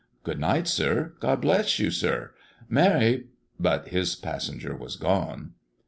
"Good night, sir! God bless you, sir! Merry" but his passenger was gone.